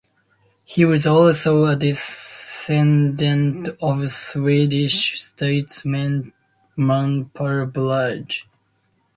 He was also a descendant of Swedish statesman Per Brahe.